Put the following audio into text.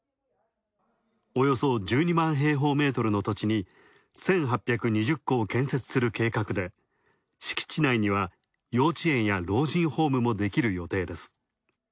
およそ１２万平方メートルの土地に１８２０戸を建設する計画で敷地内には幼稚園や老人ホームもできる予定です。